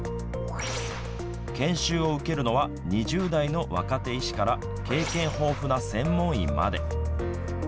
研修を受けるのは２０代の若手医師から経験豊富な専門医まで。